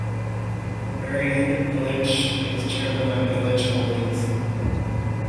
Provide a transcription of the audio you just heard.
Marian Ilitch is Chairman of Ilitch Holdings.